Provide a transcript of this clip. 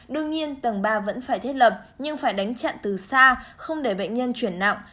đương nhiên tầng ba vẫn phải thiết lập nhưng phải đánh chặn từ xa không để bệnh nhân chuyển nặng